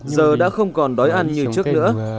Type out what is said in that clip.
giờ đã không còn đói ăn như trước nữa